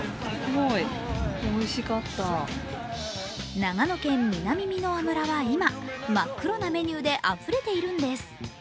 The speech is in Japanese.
長野県南箕輪村は今、真っ黒なメニューであふれているんです。